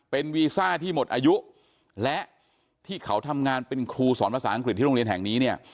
เป็นวีซ่าที่หมดอายุและที่เขาทำงานเป็นครูสอนภาษาอังกฤษที่โรงเรียนแห่งนี้เนี่ย